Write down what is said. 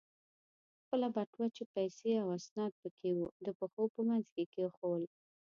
خپله بټوه چې پیسې او اسناد پکې و، د پښو په منځ کې کېښوول.